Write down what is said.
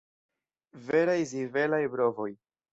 Veraj zibelaj brovoj!